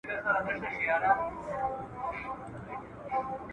لښتې د اوښکو لاره په پټه پاکه کړه.